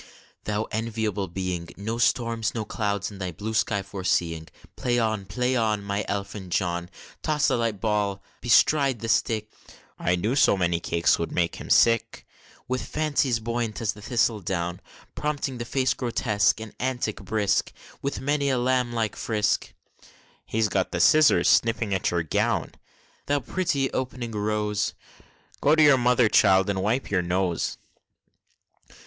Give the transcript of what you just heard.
Thou enviable being! No storms, no clouds, in thy blue sky foreseeing, Play on, play on, My elfin John! Toss the light ball bestride the stick (I knew so many cakes would make him sick!) With fancies, buoyant as the thistle down, Prompting the face grotesque, and antic brisk, With many a lamb like frisk, (He's got the scissors, snipping at your gown!) Thou pretty opening rose! (Go to your mother, child, and wipe your nose!)